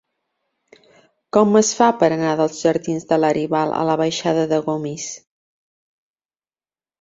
Com es fa per anar dels jardins de Laribal a la baixada de Gomis?